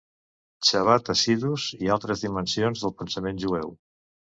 Chabad Hasidus i altres dimensions del pensament jueu.